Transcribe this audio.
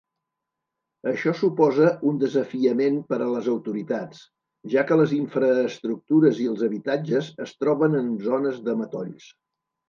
Això suposa un desafiament per a les autoritats, ja que les infraestructures i els habitatges es troben en zones de matolls.